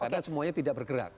karena semuanya tidak bergerak